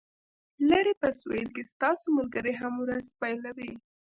لرې په سویل کې ستاسو ملګري هم ورځ پیلوي